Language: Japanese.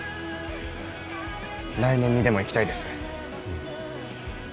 来年にでも行きたいです